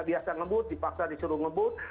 dia tidak biasa ngebut dipaksa disuruh ngebut